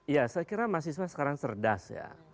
iya saya kira mahasiswa sekarang serdas ya